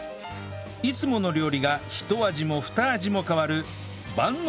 いつもの料理がひと味もふた味も変わる万能